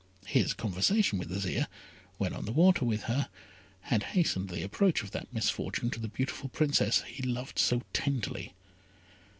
His conversation with Azire, when on the water with her, had hastened the approach of that misfortune to the beautiful Princess he loved so tenderly.